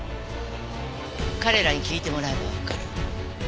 彼らに聞いてもらえばわかる。